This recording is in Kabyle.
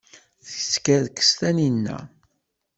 Teskerkes Taninna.